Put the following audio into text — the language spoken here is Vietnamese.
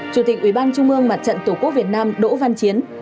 chủ tịch ủy ban trung ương mặt trận tổ quốc việt nam đỗ văn chiến